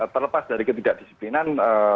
terlepas dari ketidakdisiplinan